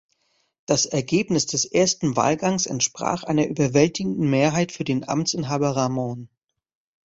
Das Ergebnis des ersten Wahlgangs entsprach einer überwältigenden Mehrheit für den Amtsinhaber Rahmon.